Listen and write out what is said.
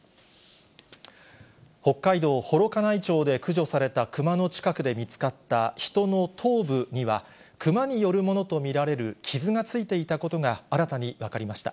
北海道幌加内町で駆除されたクマの近くで見つかった人の頭部には、クマによるものと見られる傷がついていたことが、新たに分かりました。